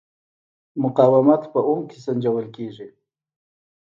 مقاومت په اوم کې سنجول کېږي.